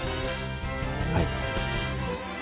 はい。